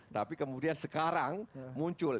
tapi kemudian sekarang muncul